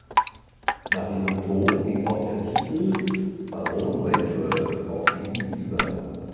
Nach ihrem Tod ging auch der Titel "Baron Wentworth" auf diesen über.